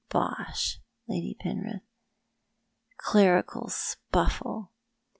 Bosh, Lady Penrith. Clerical spudle !